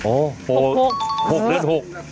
โอ้โห๖เดือน๖